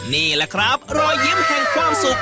นี่แหละครับรอยยิ้มแห่งความสุข